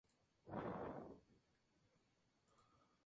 Se posiciona como militante anticapitalista y feminista.